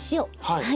はい。